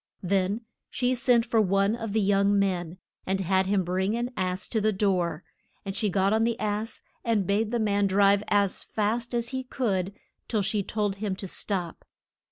Then she sent for one of the young men, and had him bring an ass to the door, and she got on the ass, and bade the man drive as fast as he could till she told him to stop.